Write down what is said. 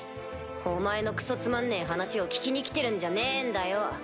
お前のクソつまんねえ話を聞きにきてるんじゃねえんだよ。